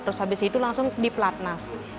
terus habis itu langsung di platnas